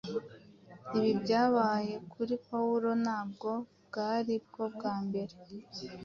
Ibi byabaye kuri Pawulo ntabwo bwari bwo bwa mbere